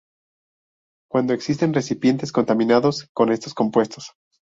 Cuando existen recipientes contaminados con estos compuestos.